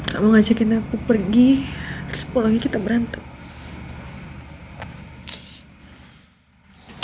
kamu ngajakin aku pergi terus pulangnya kita berantem